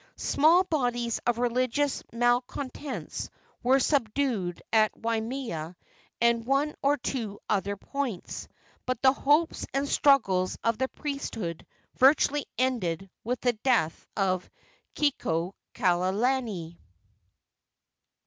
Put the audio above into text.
Small bodies of religious malcontents were subdued at Waimea and one or two other points, but the hopes and struggles of the priesthood virtually ended with the death of Kekuaokalani.